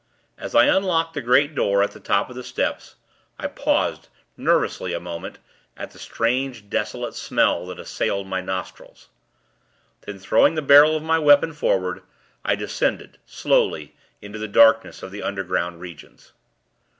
As I unlocked the great door, at the top of the steps, I paused, nervously, a moment, at the strange, desolate smell that assailed my nostrils. Then, throwing the barrel of my weapon forward, I descended, slowly, into the darkness of the underground regions.